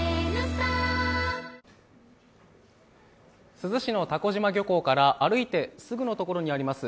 珠洲市の蛸島漁港から歩いてすぐのところにあります